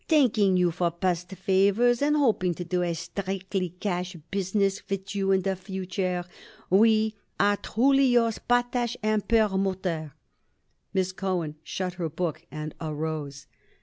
Thanking you for past favors and hoping to do a strictly cash business with you in the future, we are truly yours, Potash & Perlmutter." Miss Cohen shut her book and arose.